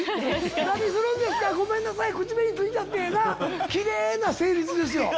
「何するんですか⁉ごめんなさい口紅付いた」でキレイな成立ですよ。